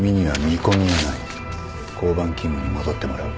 交番勤務に戻ってもらう。